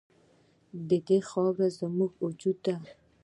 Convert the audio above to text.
د دې خاوره زموږ وجود دی